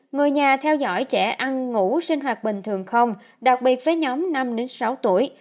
người nhà theo dõi trẻ ăn ngủ sinh hoạt bình thường không đặc biệt với nhóm năm đến sáu tuổi